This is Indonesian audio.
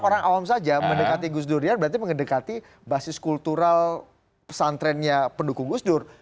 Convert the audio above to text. orang awam saja mendekati gus durian berarti mendekati basis kultural pesantrennya pendukung gus dur